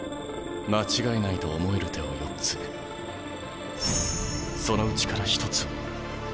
間違いないと思える手を４つそのうちから１つを。